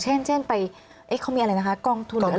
เช่นไปเขามีอะไรนะคะกล้องทุน